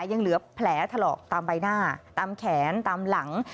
ยังเหลือแผลถลอกตามใบหน้าตามแขนตามหลัง